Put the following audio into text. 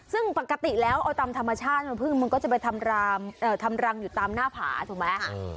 ซึ่งปกติแล้วเอาตามธรรมชาติน้ำพึ่งมันก็จะไปทำรังอยู่ตามหน้าผาถูกไหม